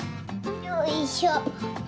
よいしょ！